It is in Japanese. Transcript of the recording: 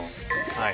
はい。